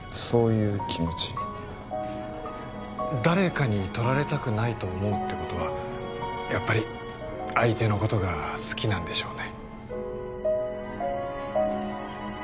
誰かにとられたくないと思うってことはやっぱり相手のことが好きなんでしょうね